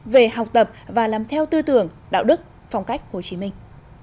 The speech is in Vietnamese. về học tập và làm theo tư tưởng đạo đức phong cách hồ chí minh